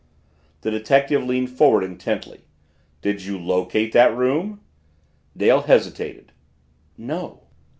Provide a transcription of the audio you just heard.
The detective leaned forward intently. "Did you locate that room?" Dale hesitated. "No."